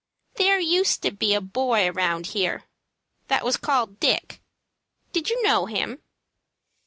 "There used to be a boy around here that was called Dick. Did you know him?"